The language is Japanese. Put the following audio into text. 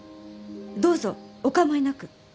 どうぞお構いなく。